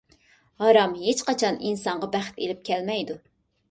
ھارام ھېچقاچان ئىنسانغا بەخت ئېلىپ كەلمەيدۇ.